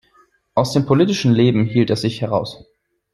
Aus dem politischen Leben hielt er sich heraus.